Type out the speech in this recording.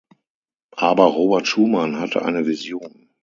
Aber Robert Schuman hatte eine Vision.